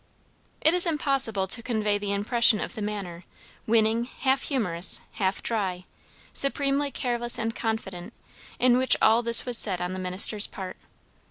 It is impossible to convey the impression of the manner, winning, half humourous, half dry, supremely careless and confident, in which all this was said on the minister's part.